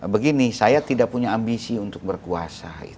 begini saya tidak punya ambisi untuk berkuasa